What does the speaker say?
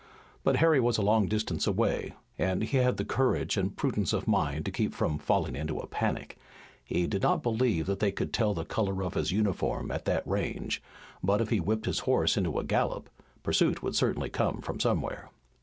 But Harry was a long distance away, and he had the courage and prudence of mind to keep from falling into a panic. He did not believe that they could tell the color of his uniform at that range, but if he whipped his horse into a gallop, pursuit would certainly come from somewhere.